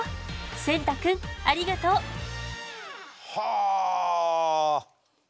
仙太くんありがとう！はあ。